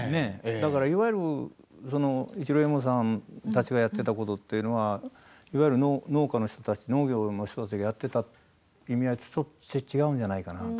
だからいわゆる市郎右衛門さんたちがやっていたことというのはいわゆる農家の人たち農業の人たちがやっていた意味合いとはちょっと違うんじゃないかなと。